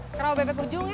ke rau bebek ujung ya